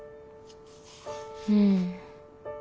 うん。